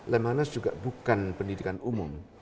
lemhanas juga bukan pendidikan umum